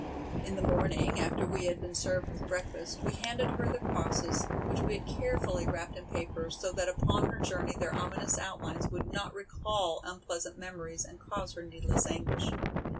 In the morning after we had been served with breakfast, we handed her the crosses which we had carefully wrapped in paper so that upon her journey their ominous outlines would not recall unpleasant memories and cause her needless anguish.